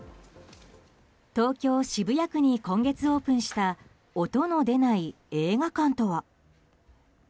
東京・渋谷区に今月オープンした音の出ない映画館とは？